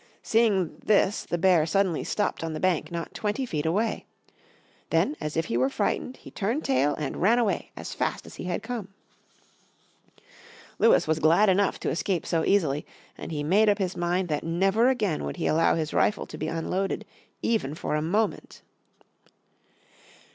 Seeing this the bear suddenly stopped on the bank not twenty feet away. Then as if he were frightened he turned tail and ran away as fast as he had come. Lewis was glad enough to escape so easily, and he made up his mind that never again would he allow his rifle to be unloaded even for a moment.